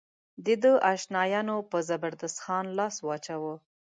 د ده اشنایانو پر زبردست خان لاس واچاوه.